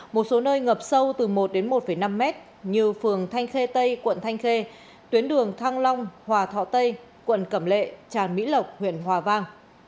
một số nơi ngập sâu từ một đến một năm mét như phường thanh khê tây quận thanh khê tuyến đường thăng long hòa thọ tây quận cẩm lệ tràn mỹ lộc huyện hòa vang